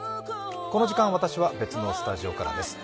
この時間、私は別のスタジオからです。